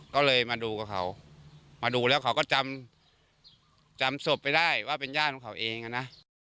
ก็เลยมาดูกับเขามาดูแล้วเขาก็จำศพไปได้ว่าเป็นญาติของเขาเองนะ